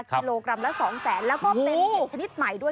กิโลกรัมละ๒แสนแล้วก็เป็นเห็ดชนิดใหม่ด้วย